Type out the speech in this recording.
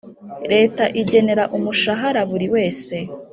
Leta igenera umushara buri wese